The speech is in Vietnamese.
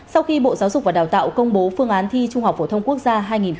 sau khi bộ giáo dục và đào tạo công bố phương án thi trung học phổ thông quốc gia hai nghìn một mươi chín